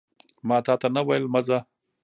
ماتاته نه ویل مه ځه